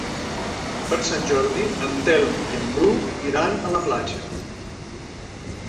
Per Sant Jordi en Telm i en Bru iran a la platja.